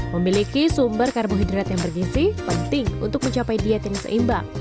memiliki sumber karbohidrat yang bergisi penting untuk mencapai diet yang seimbang